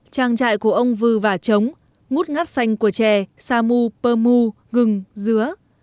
trang trại của ông vư vả chống ngút ngát xanh của trẻ sa mu pơ mu rừng dứa